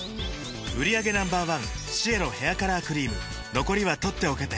売上№１シエロヘアカラークリーム残りは取っておけて